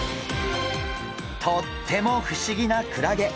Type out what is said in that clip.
とっても不思議なクラゲ。